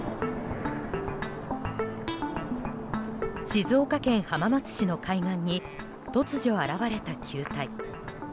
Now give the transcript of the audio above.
静岡県浜松市の海岸に突如現れた球体。